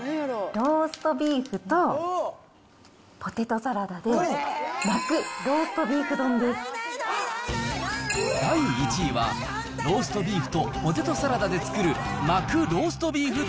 ローストビーフとポテトサラダで、巻く第１位は、ローストビーフとポテトサラダで作る、巻くローストビーフ丼。